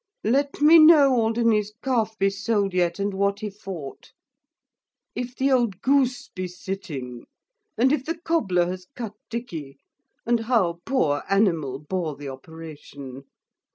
Let me know Alderney's calf be sould yet, and what he fought if the ould goose be sitting; and if the cobler has cut Dicky, and how pore anemil bore the operation.